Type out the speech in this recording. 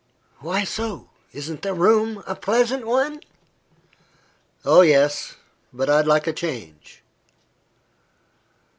"Why so? Isn't the room a pleasant one?" "Oh, yes; but I'd like a change."